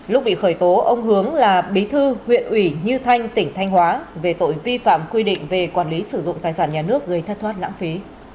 lúc bị khởi tố ông hướng là bí thư huyện ủy như thanh tỉnh thanh hóa về tội vi phạm quy định về quản lý sử dụng tài sản nhà nước gây thất thoát lãng phí